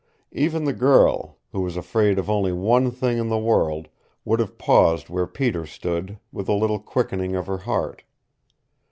Even the girl, who was afraid of only one thing in the world, would have paused where Peter stood, with a little quickening of her heart.